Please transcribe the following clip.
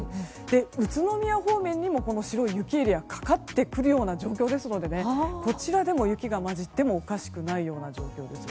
宇都宮方面にも白い雪エリアかかってくる状況ですのでこちらでも雪が交じってもおかしくないような状況ですね。